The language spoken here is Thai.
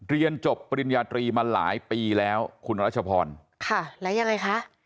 เรียนจบปริญญาตรีมาหลายปีแล้วคุณรัชพรค่ะแล้วยังไงคะ